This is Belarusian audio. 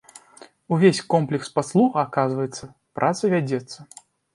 Увесь комплекс паслуг аказваецца, праца вядзецца.